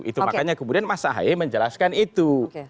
itu makanya kemudian mas ahaye menjelaskan itu